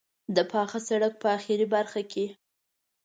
د پاخه سړک په آخري برخه کې.